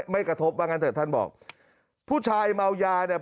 ไม่กระทบว่างั้นเถอะท่านบอกผู้ชายเมายาเนี่ย